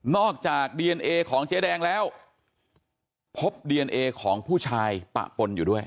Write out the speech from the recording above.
จากดีเอนเอของเจ๊แดงแล้วพบดีเอนเอของผู้ชายปะปนอยู่ด้วย